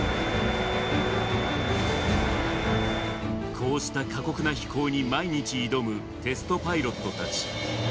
こうした過酷な飛行に毎日挑むテストパイロットたち。